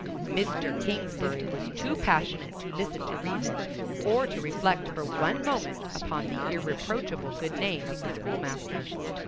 Mr. Kingsbury was too passionate to listen to reason, or to reflect for one moment upon the irreproachable good name of the schoolmaster.